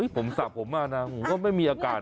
ผมสับผมมากนะผมก็ไม่มีอากาศ